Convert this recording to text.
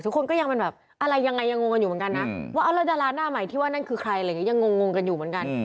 ก็ยังเป็นแบบอะไรยังไงยังงงกันอยู่เหมือนกันนะว่าเอาแล้วดาราหน้าใหม่ที่ว่านั่นคือใครอะไรอย่างนี้ยังงงกันอยู่เหมือนกัน